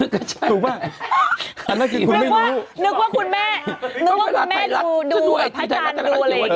ก็ใช่ถูกป่ะคุณไม่รู้นึกว่านึกว่าคุณแม่นึกว่าคุณแม่ดูดูแบบพระจานดูอะไรอย่างเงี้ย